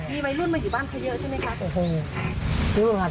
มีวัยรุ่นมาอยู่บ้านเขาเยอะใช่มั้ยครับ